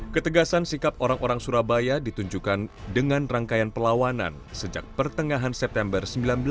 ketegasan sikap orang orang surabaya ditunjukkan dengan rangkaian perlawanan sejak pertengahan september seribu sembilan ratus empat puluh